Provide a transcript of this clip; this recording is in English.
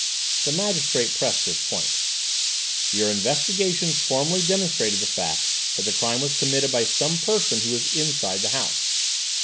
The magistrate pressed his point. "Your investigations formally demonstrated the fact that the crime was committed by some person who was inside the house."